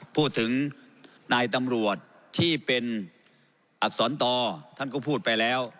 พูดถึงนายตำรวจที่เป็นอักษรตอท่านก็พูดไปแล้ว